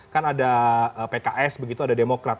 kan ada pks begitu ada demokrat